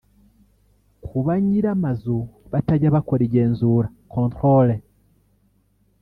kuba nyiri amazu batajya bakora igenzura(Controle)